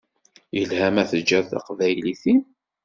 Yelha ma teǧǧiḍ taqbaylit-im?